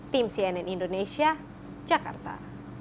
tim cnn indonesia jakarta